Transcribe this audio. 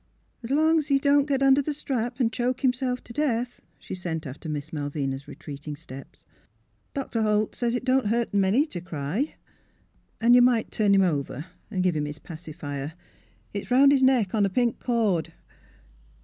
" As long's he don't get under the strap an' choke himself to death," she sent after Miss Malvina's retreating steps. '' Dr. Holt says it don't hurt 'em any to cry. — An' you might turn him over, and give him his }3acifier; it's round his neck on a pink cord."